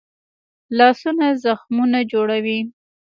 لاسونه زخمونه جوړوي